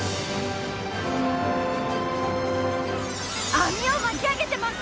網を巻き上げてます！